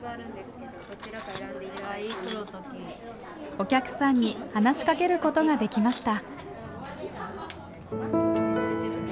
お客さんに話しかけることができました。